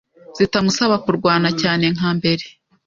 zitamusaba kurwana cyane nka mbere